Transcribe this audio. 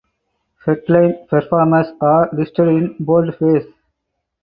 Headline performers are listed in Boldface.